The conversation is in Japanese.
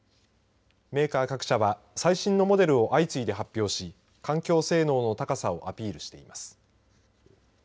メーカー各社は最新のモデルを相次いで発表し環境性能の高さをアピールしています。